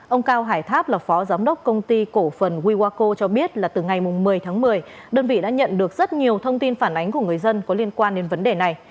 ông cao hải tháp là phó giám đốc công ty cổ phần wiwaco cho biết là từ ngày một mươi tháng một mươi đơn vị đã nhận được rất nhiều thông tin phản ánh của người dân có liên quan đến vấn đề này